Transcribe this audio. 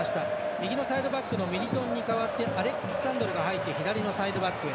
右のサイドバックのミリトンに代わってアレックス・サンドロが入って左のサイドバックへ。